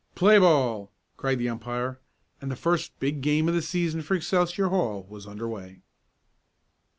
"Play ball!" cried the umpire, and the first big game of the season for Excelsior Hall was underway.